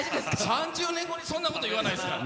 ３０年後にそんなこと言わないですから。